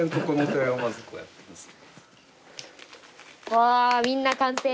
わーみんな完成。